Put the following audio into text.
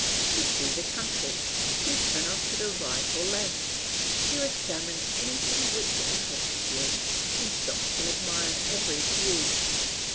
You see the country, you turn off to the right or left; you examine anything which interests you, you stop to admire every view.